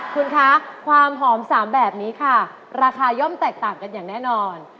คุณคะความหอม๓แบบนี้ค่ะราคาย่อมแตกต่างกันอย่างแน่นอน